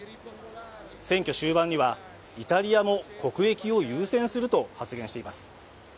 選挙終盤にはイタリアも国益を優先すると発言しています。